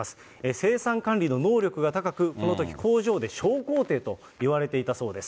生産管理の能力が高く、このとき、工場で小皇帝と言われていたそうです。